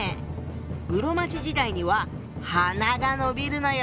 室町時代には鼻が伸びるのよ！